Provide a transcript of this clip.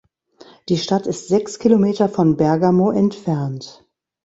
Die Stadt ist sechs Kilometer von Bergamo entfernt.